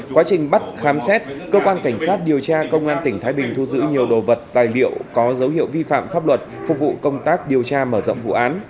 quá trình bắt khám xét cơ quan cảnh sát điều tra công an tỉnh thái bình thu giữ nhiều đồ vật tài liệu có dấu hiệu vi phạm pháp luật phục vụ công tác điều tra mở rộng vụ án